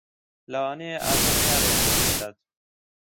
لەوانەیە ئازاد کارێکم پێ بدات.